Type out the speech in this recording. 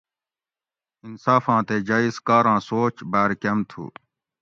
انصافاں تے جایٔز کاراں سوچ باۤر کۤم تھو